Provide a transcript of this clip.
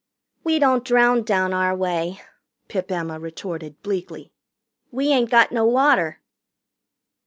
"We don't drown down our way," Pip Emma retorted bleakly. "We ain't got no water."